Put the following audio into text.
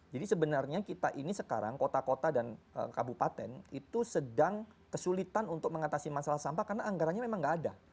jadi sebenarnya kita ini sekarang kota kota dan kabupaten itu sedang kesulitan untuk mengatasi masalah sampah karena anggarannya memang gak ada